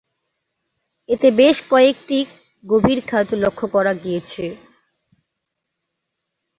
এতে বেশ কয়েকটি গভীর খাত লক্ষ্য করা গিয়েছে।